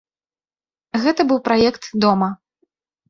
Гэта быў праект дома.